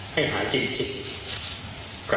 ให้หายจริง